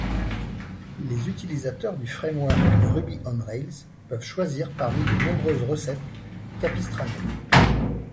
Les utilisateurs du framework Ruby on Rails peuvent choisir parmi de nombreuses recettes Capistrano.